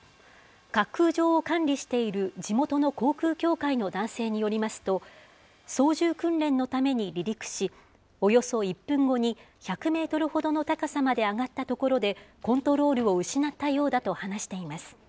滑空場を管理している地元の航空協会の男性によりますと、操縦訓練のために離陸し、およそ１分後に１００メートルほどの高さまで上がったところで、コントロールを失ったようだと話しています。